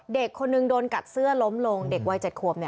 เด็กคนนึงโดนกัดเสื้อล้มลงเด็กวัย๗ขวบ